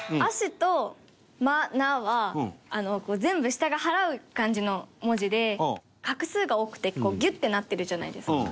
「芦」と「愛菜」は全部下がはらう感じの文字で画数が多くてギュッてなってるじゃないですか。